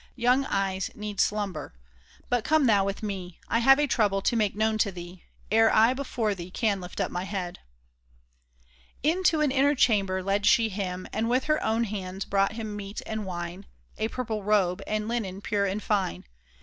Young eyes need slumber. But come thou with me. I have a trouble to make known to thee Ere I before thee can lift up my head." Into an inner chamber led she him, And with her own hands brought him meat and wine, A purple robe, and linen pure and fine.